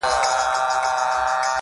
اوس جهاني لکه یتیم په ژړا پوخ یمه نور،